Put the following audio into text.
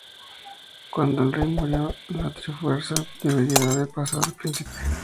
Cuando el rey murió, la Trifuerza debería haber pasado al Príncipe.